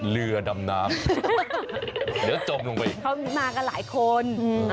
เรือดำน้ำเดี๋ยวจมลงไปเขามากันหลายคนอืม